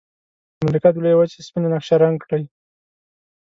د امریکا د لویې وچې سپینه نقشه رنګ کړئ.